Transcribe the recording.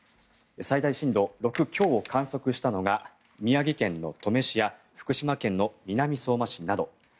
最大震度６強を観測したのが宮城県の登米市や福島県の南相馬市など。